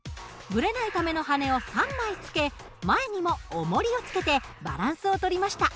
ブレないための羽根を３枚つけ前にもおもりをつけてバランスを取りました。